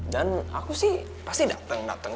dan aku sih pasti dateng dateng